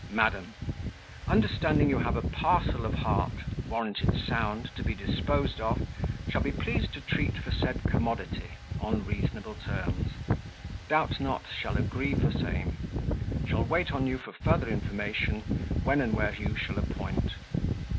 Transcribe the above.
"Madam, Understanding you have a parcel of heart, warranted sound, to be disposed of, shall be pleased to treat for said commodity, on reasonable terms; doubt not, shall agree for same; shall wait on you for further information, when and where you shall appoint.